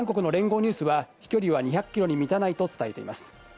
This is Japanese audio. ニュースは飛距離は２００キロに満たないと伝えています。